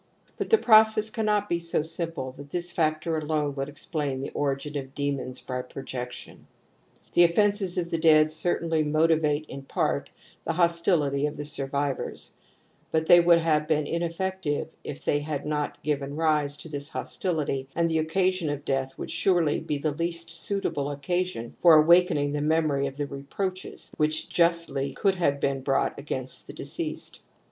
But the process cannot be so simple that this factor alone could explain the origin of demons by projection. The offences of the dead certainly motivate in part the hostility of the survivors, but they would have been in effective if they had not given rise to this hos tility and the occasion of death would surely be the least suitable occasion for awakening the memory of the reproaches which justly could have been brought against the deceased.